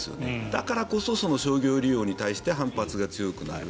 だからこそ商業利用に対して反発が強くなる。